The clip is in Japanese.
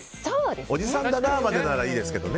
おじさんだな、ならいいですけど。